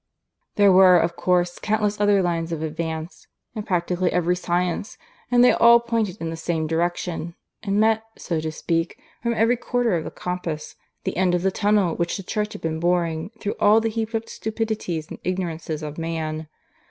"There were of course countless other lines of advance, in practically every science, and they all pointed in the same direction, and met, so to speak, from every quarter of the compass the end of the tunnel which the Church had been boring through all the heaped up stupidities and ignorances of man.